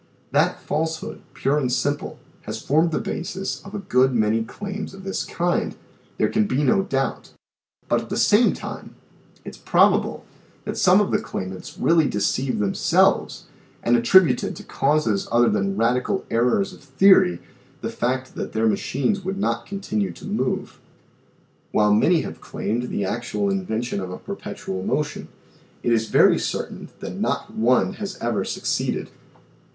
That falsehood, pure and simple, has formed the basis of a good many claims of this kind, there can be no doubt, but at the same time, it is probable that some of the claimants really de ceived themselves and attributed to causes other than radi cal errors of theory, the fact that their machines would not continue to move. While many have claimed the actual invention of a per petual motion it is very certain that not one has ever suc ceeded.